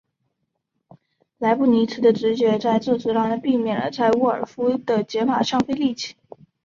莱布尼兹的直觉在这时让他避免了在沃尔夫的解法上费力气。